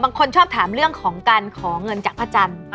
บางคนชอบถามเรื่องของการขอเงินจากพระจันทร์